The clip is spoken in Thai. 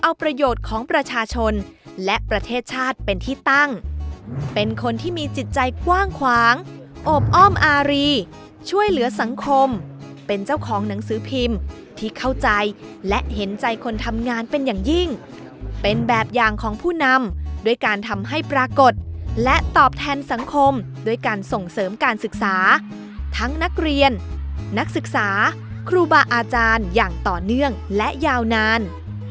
โลกยูเนสโกนายกัมพลวัชรพลเป็นนักหนังสือพิมพ์